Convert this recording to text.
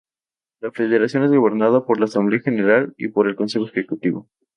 La Federación es gobernada por la Asamblea General y por el Consejo Ejecutivo.